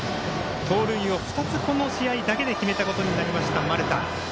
盗塁を２つこの試合だけで決めたことになりました、丸田。